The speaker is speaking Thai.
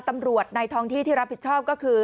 ตำรวจในทองที่ทีรับผิดชอบก็คือ